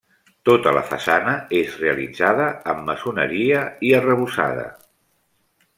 Tota la façana és realitzada amb maçoneria i arrebossada.